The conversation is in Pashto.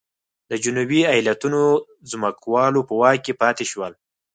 د جنوبي ایالتونو ځمکوالو په واک کې پاتې شول.